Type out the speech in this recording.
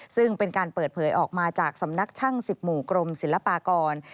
ซึ่งเป็นการเปิดเผยออกมาจากสำนักช่าง๑๐หมู่กรมศิลปากร